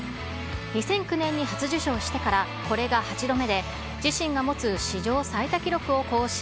２００９年に初受賞してからこれが８度目で、自身が持つ史上最多記録を更新。